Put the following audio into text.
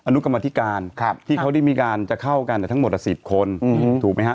อนุกรรมธิการครับที่เขาได้มีการจะเข้ากันแต่ทั้งหมดละสิบคนอืมถูกไหมฮะ